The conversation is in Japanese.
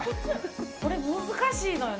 これ、難しいのよな。